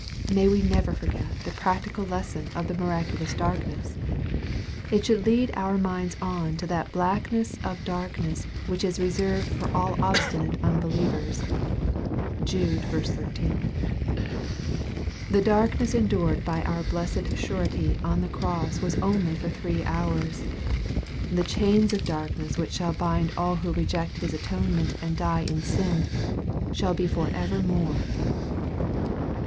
May we never forget the practical lesson of the mi raculous darkness ! It should lead our minds on to that blackness of darkness which is reserved for all obstinate unbelievers. (Jude 13.) The darkness endured by OUT blessed Surety on the cross was only for three hours. The chains of darkness which shall bind all who reject His atonement and die in sin, shall be for evermore.